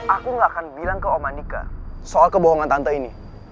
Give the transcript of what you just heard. aku gak akan bilang ke om manike soal kebohongan tante ini